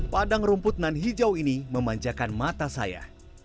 padang rumput nan hijau ini memanjakan mata saya